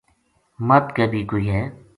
مَدھ کے بی کوئی ہے